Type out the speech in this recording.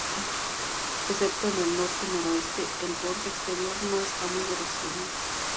Excepto en el norte-noroeste, el borde exterior no está muy erosionado.